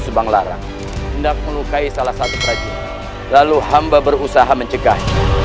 subang larang hendak melukai salah satu perajin lalu hamba berusaha mencegah